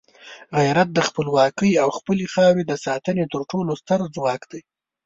غیرت د خپلواکۍ او خپلې خاورې د ساتنې تر ټولو ستر ځواک دی.